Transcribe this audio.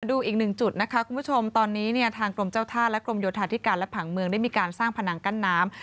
ดูอีกหนึ่งจุดนะคะคุณผู้ชมตอนนี้เนี่ยทางกรมเจ้าท่าและกรมโยธาธิการและผังเมืองได้มีการสร้างผนังกั้นน้ำ